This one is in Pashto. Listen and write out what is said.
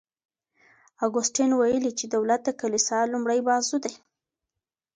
اګوستین ویلي چي دولت د کلیسا لومړی بازو دی.